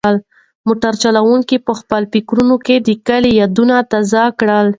موټر چلونکي په خپلو فکرونو کې د کلي یادونه تازه کړل.